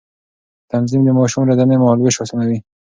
تنظيم د ماشوم ورځنی مهالوېش آسانوي.